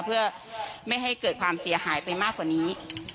เพื่อไม่ให้เกิดความเสียหายไปมากกว่านี้